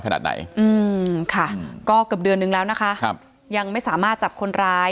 ขนาดไหนอืมค่ะก็เกือบเดือนนึงแล้วนะคะครับยังไม่สามารถจับคนร้าย